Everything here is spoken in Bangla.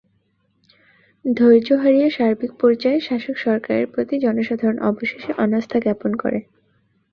ধৈর্য হারিয়ে সার্বিক পর্যায়ে শাসক সরকারের প্রতি জনসাধারণ অবশেষে অনাস্থা জ্ঞাপন করে।